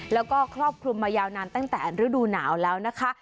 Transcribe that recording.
แล้วก็ครอบคลุมมายาวนานตั้งแต่ฤดูหนาวแล้วนะคะ